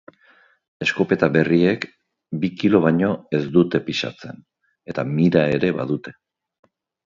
Eskopeta berriek bi kilo baino ez dute pisatzen, eta mira ere badute.